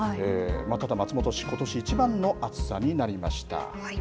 ただ松本市ことし一番の暑さになりました。